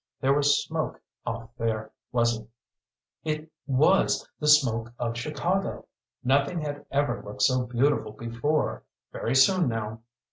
There was smoke off there. Was it? It was the smoke of Chicago! Nothing had ever looked so beautiful before. Very soon now!